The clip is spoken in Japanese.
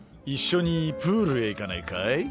「一緒にプールへ行かないかい？